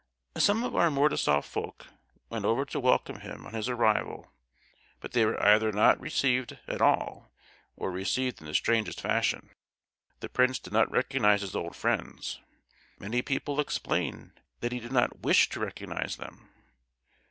Some of our Mordasoff folk went over to welcome him on his arrival; but they were either not received at all or received in the strangest fashion. The prince did not recognise his old friends: many people explained that he did not wish to recognise them.